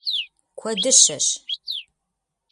Куэдыщэщ!